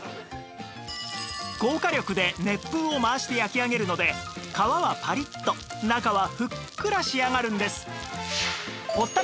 高火力で熱風を回して焼き上げるので皮はパリッと中はふっくら仕上がるんです